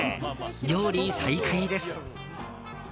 料理再開です。